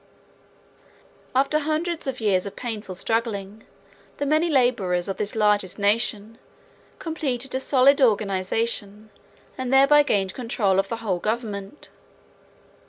After hundreds of years of painful struggling, the many laborers of this largest nation completed a solid organization and thereby gained control of the whole government.